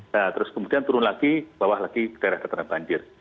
nah terus kemudian turun lagi bawah lagi ke daerah terkena banjir